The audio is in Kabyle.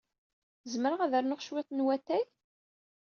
Zemreɣ ad rnuɣ cwiṭ n watay?